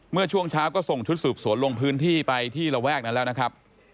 เมื่อช่วงเช้าก็ส่งชุดสืบสวนลงพื้นที่ไปที่ระแวกนั้นแล้วนะครับ